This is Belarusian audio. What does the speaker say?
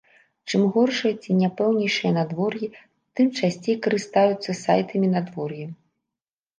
Чым горшае ці няпэўнейшае надвор'е, тым часцей карыстаюцца сайтамі надвор'я.